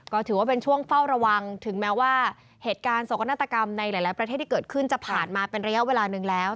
ก็ถือว่าเป็นช่วงเฝ้าระวังถึงแม้ว่าเหตุการณ์โศกนาฏกรรมในหลายประเทศที่เกิดขึ้นจะผ่านมาเป็นระยะเวลาหนึ่งแล้ว